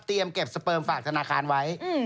เตรียมเก็บสเปิร์มฝากธนาคารไว้